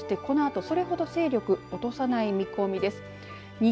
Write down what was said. そして、このあとそれほど勢力落とさない見込みです。